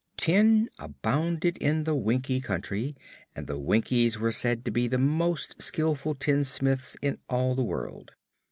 Tin abounded in the Winkie Country and the Winkies were said to be the most skillful tinsmiths in all the world.